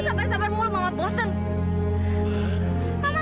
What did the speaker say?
lepaskan aku lepaskan aku